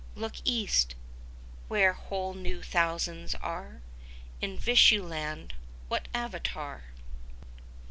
Look East, where whole new thousands are! In Vishnu land what Avatar?